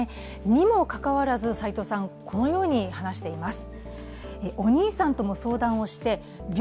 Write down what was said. にもかかわらず斉藤さん、このように話しています。